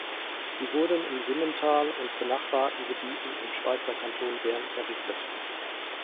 Sie wurden im Simmental und benachbarten Gebieten im Schweizer Kanton Bern errichtet.